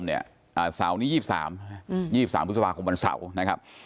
เสาร์นี้๒๓๒๓พฤษภาคมวันเสาร์นะครับ